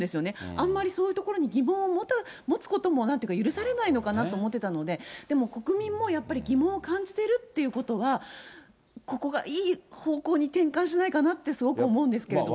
あんまりそういうところに疑問を持つこともなんというか、許されないのかなと思ってたので、でも国民もやっぱり疑問を感じてるってことは、ここがいい方向に転換しないかなって、すごく思うんですけども。